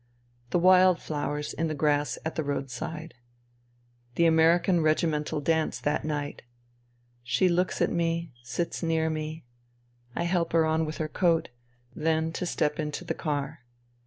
The wild flowers in the grass at the road side. The American regimental dance that night. She looks at me, sits near me. I help her on with her coat ; then to step into the car.